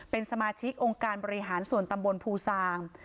เป็นสมาชิกองค์การบริหารส่วนตำบลภูซาง